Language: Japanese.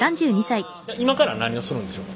今から何をするんでしょうか？